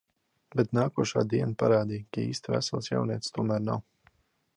Bet nākošā diena parādīja, ka īsti vesels jaunietis tomēr nav.